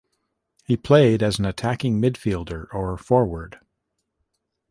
He played as an attacking midfielder or forward.